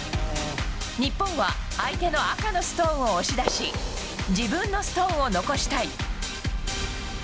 日本は相手の赤のストーンを押し出し自分のストーンを残したい。